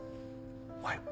おはよう。